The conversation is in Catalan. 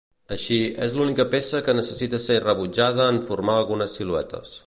Així, és l'única peça que necessita ser rebutjada en formar algunes siluetes.